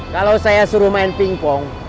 kalau saya suruh main pingpong